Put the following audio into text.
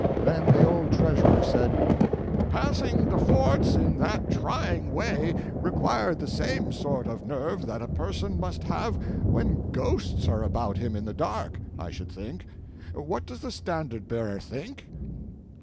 Then the old treasurer said: "Passing the forts in that trying way required the same sort of nerve that a person must have when ghosts are about him in the dark, I should think. What does the Standard Bearer think?"